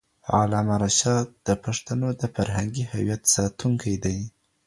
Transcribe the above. علامه رشاد د پښتنو د فرهنګي هویت ساتونکی دی.